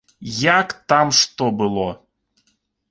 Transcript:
Як там што было.